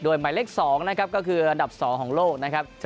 ด้วยหมายเลขสองนะครับก็คืออันดับสองของโลกนะครับ